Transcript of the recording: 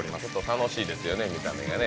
楽しいですよね、見た目がね。